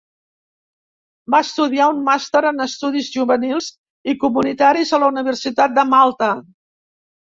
Va estudiar un màster en estudis juvenils i comunitaris a la Universitat de Malta.